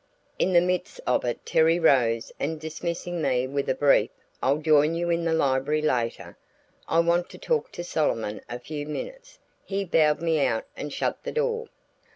In the midst of it Terry rose and dismissing me with a brief, "I'll join you in the library later; I want to talk to Solomon a few minutes," he bowed me out and shut the door.